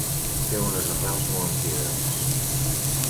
Té unes arrels molt antigues.